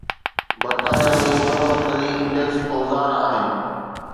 برطانيه ۾ ٻه مرڪزي انڊيڪس اوزار آهن